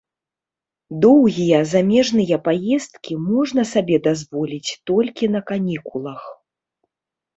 Доўгія замежныя паездкі можна сабе дазволіць толькі на канікулах.